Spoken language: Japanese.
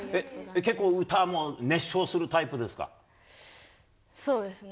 結構、歌も熱唱するタイプでそうですね。